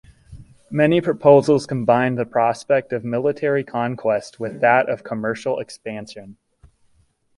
Many proposals combined the prospect of military conquest with that of commercial expansion.